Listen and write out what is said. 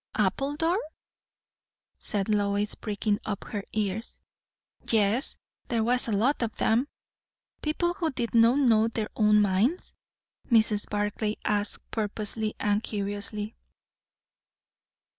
"Appledore?" said Lois, pricking up her ears. "Yes; there was a lot of 'em." "People who did not know their own minds?" Mrs. Barclay asked, purposely and curiously.